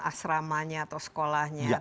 asramanya atau sekolahnya